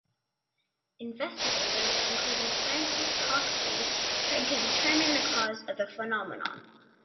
Investigators, including Francis Hauksbee, tried to determine the cause of the phenomenon.